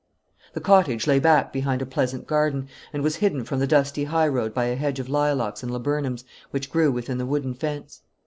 The cottage lay back behind a pleasant garden, and was hidden from the dusty high road by a hedge of lilacs and laburnums which grew within the wooden fence.